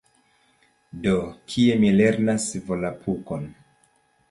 Do, kie mi lernas Volapukon?